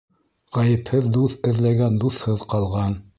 Ғәйепһеҙ дуҫ эҙләгән дуҫһыҙ ҡалған